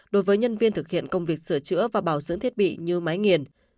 đối với nhân viên thực hiện công việc sửa chữa và bảo dưỡng thiết bị như máy nghiền